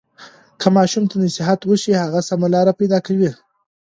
که ماشوم ته نصیحت وشي، هغه سمه لاره پیدا کوي.